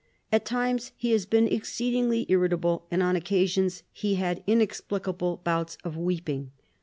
At times he has been exceedingly irritable and on occasions has had inexplicable bouts of weeping.